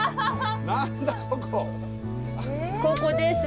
ここです。